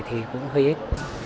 thì cũng hơi ít